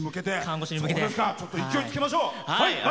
勢いつけましょう！